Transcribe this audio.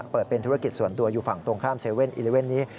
เปิดเป็นธุรกิจส่วนตัวอยู่ฝั่งตรงข้าม๗๑๑นี้